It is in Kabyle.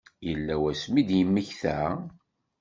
Yella wasmi i d-yemmekta?